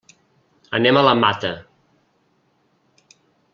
Anem a la Mata.